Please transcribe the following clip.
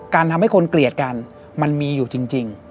ทำให้คนเกลียดกันมันมีอยู่จริง